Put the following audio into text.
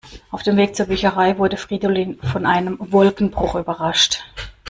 Auf dem Weg zur Bücherei wurde Fridolin von einem Wolkenbruch überrascht.